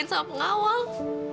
dan juga sama pengawal